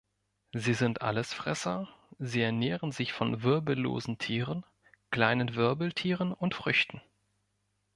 Sie sind Allesfresser, sie ernähren sich von wirbellosen Tieren, kleinen Wirbeltieren und Früchten.